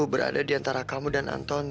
berada diantara kamu dan anthony